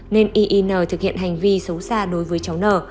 nên yn thực hiện hành vi xấu xa đối với cháu n